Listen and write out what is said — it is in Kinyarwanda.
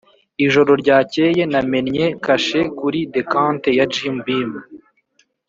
ijoro ryakeye namennye kashe kuri decanter ya jim beam